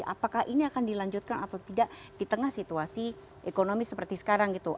apakah ini akan dilanjutkan atau tidak di tengah situasi ekonomi seperti sekarang gitu